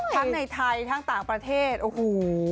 ทั้งในไทยทั้งต่างประเทศโอ้โห